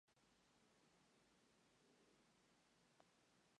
Sus restos fueron sepultados en el cementerio de Las Tapias.